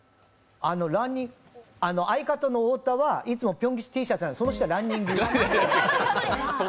相方の太田はいつもぴょん吉Ｔシャツ、その下はランニング。